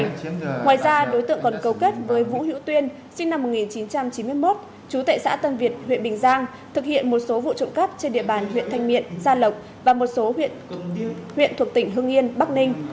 ngoài ra đối tượng còn cấu kết với vũ hữu tuyên sinh năm một nghìn chín trăm chín mươi một trú tại xã tân việt huyện bình giang thực hiện một số vụ trộm cắp trên địa bàn huyện thanh miện gia lộc và một số huyện thuộc tỉnh hưng yên bắc ninh